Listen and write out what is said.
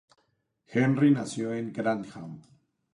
Henry nació en Grantham.